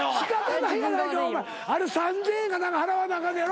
あれ３，０００円か何か払わなあかんやろ？